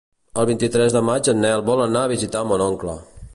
El vint-i-tres de maig en Nel vol anar a visitar mon oncle.